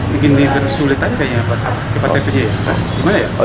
mungkin di bersulit aja ya pak